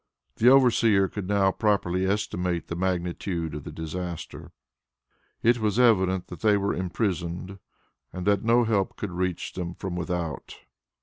The overseer could now properly estimate the magnitude of the disaster. It was evident that they were imprisoned and that no help could reach them from without.